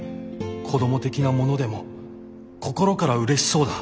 子ども的なものでも心からうれしそうだ。